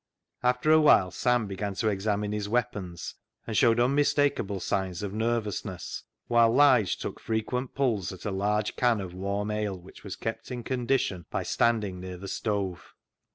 After a while Sam began to examine his weapons, and showed unmistakable signs of nervousness, while Lige took frequent pulls at a large can of warm ale, which was kept in condition by standing near the stove.